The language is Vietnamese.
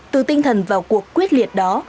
từ tinh thần vào cuộc quyết liệt đó